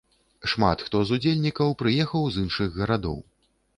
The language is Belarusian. Шмат хто з удзельнікаў прыехаў з іншых гарадоў.